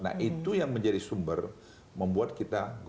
nah itu yang menjadi sumber membuat kita